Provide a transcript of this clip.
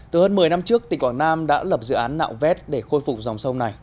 từ hơn một mươi năm trước tỉnh quảng nam đã lập dự án nạo vét để khôi phục dòng sông này